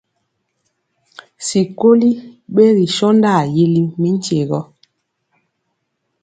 Sikoli ɓegi sɔndaa yili mi nkye gɔ.